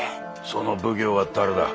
その奉行は誰だ？